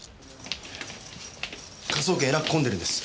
科捜研えらく込んでるんです。